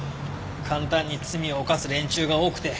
簡単に罪を犯す連中が多くて。